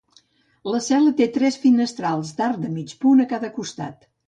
La cel·la té tres finestrals d'arc de mig punt a cada costat.